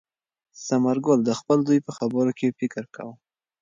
ثمر ګل د خپل زوی په خبرو کې فکر کاوه.